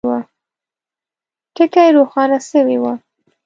ټکي روښانه سوي وه.